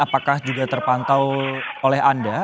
apakah juga terpantau oleh anda